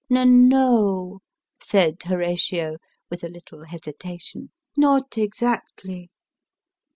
" N no !" said Horatio, with a little hesitation ;" not exactly."